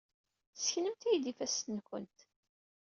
Sseknemt-iyi-d ifassen-nwent.